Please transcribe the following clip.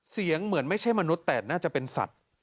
เสียงเหมือนไม่ใช่มนุษย์แต่น่าจะเป็นสัตว์